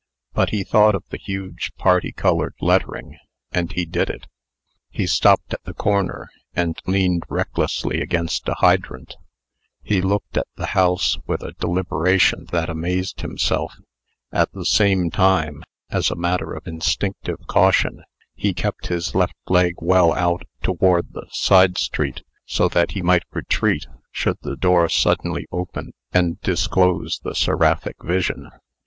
But he thought of the huge parti colored lettering, and he did it. He stopped at the corner, and leaned recklessly against a hydrant. He looked at the house with a deliberation that amazed himself. At the same time, as a matter of instinctive caution, he kept his left leg well out toward the side street, so that he might retreat, should the door suddenly open and disclose the seraphic vision.